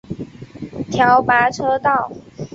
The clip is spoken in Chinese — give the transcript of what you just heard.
调拨车道。